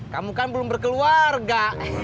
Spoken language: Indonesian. kamu kan belum berkeluarga